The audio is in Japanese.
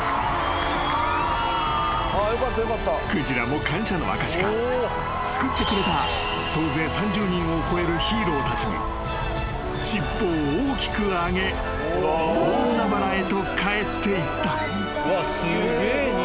［鯨も感謝の証しか救ってくれた総勢３０人を超えるヒーローたちに尻尾を大きく上げ大海原へと帰っていった］